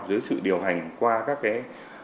dưới sự điều hành qua các cái